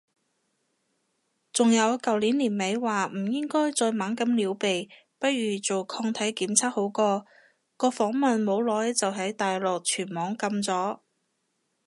仲有舊年年尾話唔應該再猛咁撩鼻，不如做抗體檢測好過，個訪問冇耐就喺大陸全網禁咗